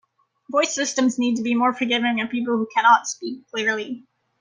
Voice systems need to be more forgiving of people who cannot speak clearly.